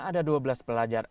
ada dua belas pelajar